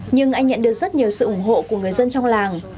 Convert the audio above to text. nhưng anh nhận được rất nhiều sự ủng hộ của người dân trong làng